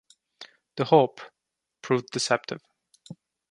The hope proved deceptive.